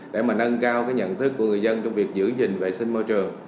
để nâng cao nhận thức của người dân trong việc giữ gìn vệ sinh môi trường